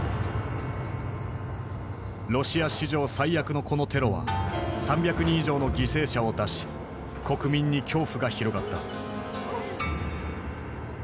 ロシア史上最悪のこのテロは３００人以上の犠牲者を出し国民に恐怖が広がった。